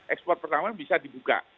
ekspor pertama bisa dibuka